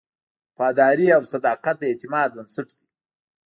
وفاداري او صداقت د اعتماد بنسټ دی.